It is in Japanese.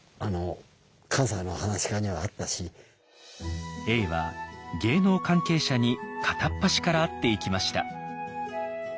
とにかくね永は芸能関係者に片っ端から会っていきました。